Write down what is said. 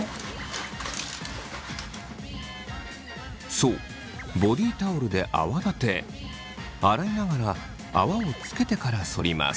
そうボディタオルで泡立て洗いながら泡をつけてからそります。